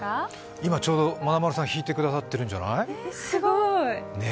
今ちょうどまなまさん弾いてくださっているんじゃない？